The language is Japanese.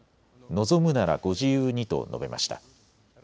望むならご自由にと述べました。